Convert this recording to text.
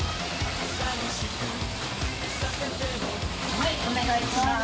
はいお願いします。